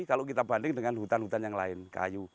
kalau kita banding dengan hutan hutan yang lain kayu